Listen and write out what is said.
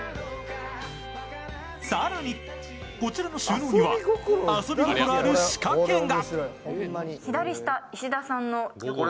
更にこちらの収納には遊び心ある仕掛けが。